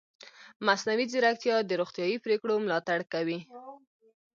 مصنوعي ځیرکتیا د روغتیايي پریکړو ملاتړ کوي.